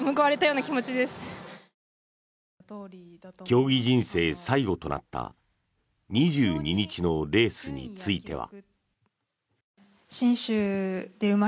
競技人生最後となった２２日のレースについては。